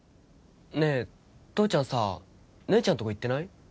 ねえ父ちゃんさ姉ちゃんとこ行ってない？